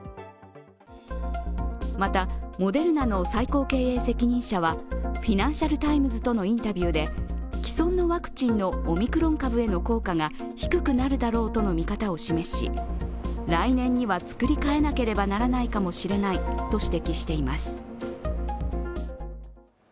またモデルナの最高経営責任者は、「フィナンシャル・タイムズ」とのインタビューで既存のワクチンのオミクロン株への効果が低くなるだろうとの見方を示し来年には作り替えなければならないかもしれないと指摘しています。